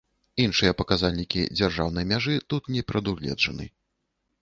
Іншыя паказальнікі дзяржаўнай мяжы тут не прадугледжаны.